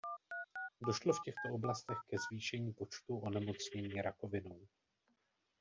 Došlo v těchto oblastech ke zvýšení počtu onemocnění rakovinou.